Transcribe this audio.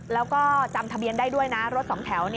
แล้วก็จำทะเบียนได้ด้วยนะรถสองแถว